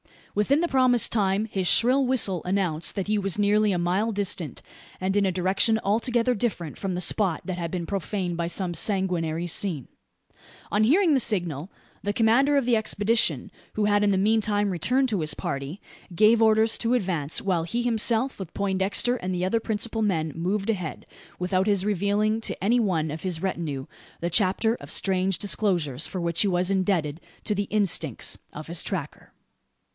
Within the promised time his shrill whistle announced that he was nearly a mile distant, and in a direction altogether different from the spot that had been profaned by some sanguinary scene. On hearing the signal, the commander of the expedition who had in the meantime returned to his party gave orders to advance; while he himself, with Poindexter and the other principal men, moved ahead, without his revealing to any one of his retinue the chapter of strange disclosures for which he was indebted to the "instincts" of his tracker.